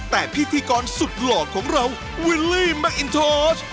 แต่พิธีกรสุดหล่อของเราวิลลี่แมคอินท